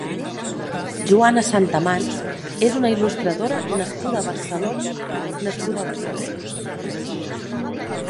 Joana Santamans és una il·lustradora nascuda a Barcelona nascuda a Barcelona.